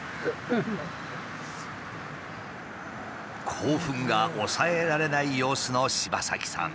興奮が抑えられない様子の柴崎さん。